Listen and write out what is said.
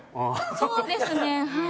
そうですねはい。